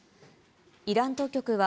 イラン当局は、